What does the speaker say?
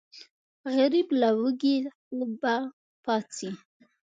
غریب له وږي خوبه پاڅي